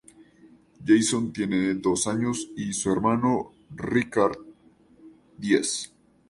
Jason tiene dos años y su hermano Ricard, diez.